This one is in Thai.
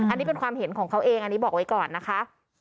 อันนี้เป็นความเห็นของเขาเองอันนี้บอกไว้ก่อนนะคะ